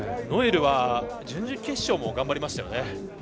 ノエルは準々決勝も頑張りましたよね。